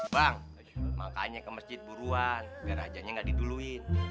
bang makanya ke masjid buruan biar ajannya gak diduluin